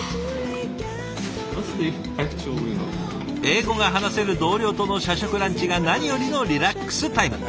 英語が話せる同僚との社食ランチが何よりのリラックスタイム。